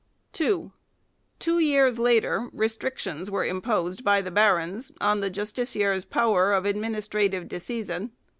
2. Two years later restrictions were imposed by the barons on the justiciar's power of administrative dis seisin.